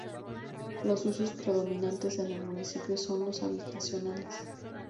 Los usos predominantes en el municipio son los habitacionales.